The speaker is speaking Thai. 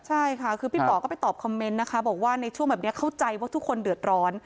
ใช่ค่ะคือพี่ป๋อก็ไปตอบคอมเมนต์นะคะบอกว่าในช่วงแบบนี้เข้าใจว่าทุกคนเดือดร้อน